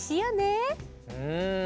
うん。